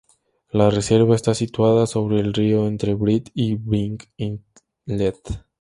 La reserva está situada sobre el río entre Britt y Byng Inlet.